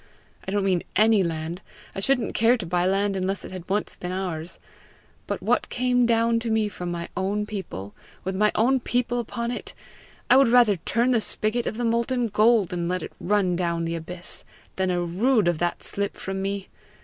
I don't mean ANY land; I shouldn't care to buy land unless it had once been ours; but what came down to me from my own people with my own people upon it I would rather turn the spigot of the molten gold and let it run down the abyss, than a rood of that slip from me!